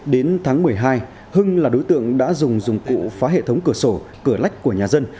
đến tháng một mươi hai hưng là đối tượng đã dùng dụng cụ phá hệ thống cửa sổ cửa lách của nhà dân